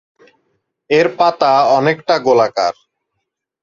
এর পাতা অনেকটা গোলাকার।